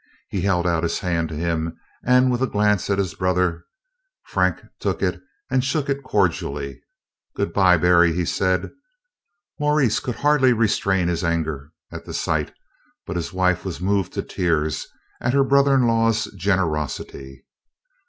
He held out his hand to him, and with a glance at his brother, Frank took it and shook it cordially. "Good bye, Berry," he said. Maurice could hardly restrain his anger at the sight, but his wife was moved to tears at her brother in law's generosity.